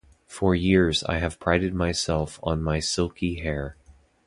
For years I have prided myself on my silky hair.